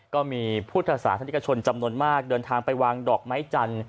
ก็มีพุทธศาสนิกชนจำนวนมากเดินทางไปวางดอกไม้จันทร์